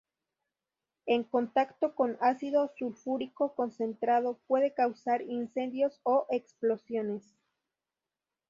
En contacto con ácido sulfúrico concentrado puede causar incendios o explosiones.